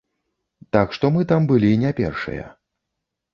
Так што мы там былі не першыя.